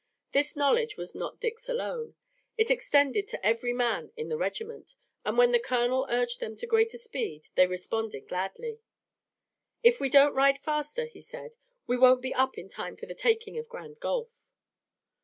This knowledge was not Dick's alone. It extended to every man in the regiment, and when the colonel urged them to greater speed they responded gladly. "If we don't ride faster," he said, "we won't be up in time for the taking of Grand Gulf."